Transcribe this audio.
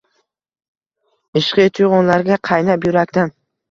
Ishqiy tug’yonlarga qaynab, yurakdan